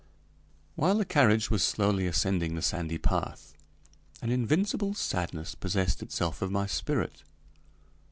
While the carriage was slowly ascending the sandy path, an invincible sadness possessed itself of my spirit.